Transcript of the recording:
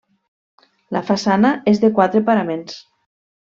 La façana és de quatre paraments.